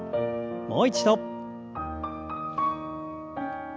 もう一度。